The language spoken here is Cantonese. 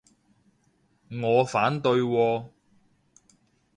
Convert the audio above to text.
我反對喎